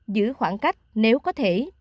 giữ khoảng cách nếu có thể